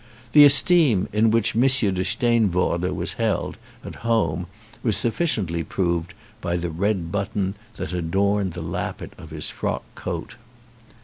The esteem in which M. de Steenvoorde was held at home was sufficiently proved by the red button that adorned the lappet of his frock coat.